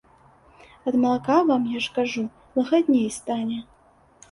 Ад малака вам, я ж кажу, лагадней стане.